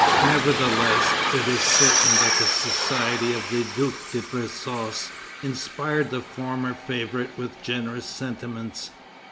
Nevertheless, it is certain that the society of the Duke de Brissac inspired the former favorite with generous sentiments.